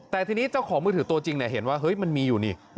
แต่ทีนี้เจ้าของมือถือตัวจริงเห็นว่าเฮ้ยมันมีอยู่นี่